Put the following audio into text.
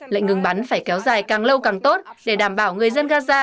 lệnh ngừng bắn phải kéo dài càng lâu càng tốt để đảm bảo người dân gaza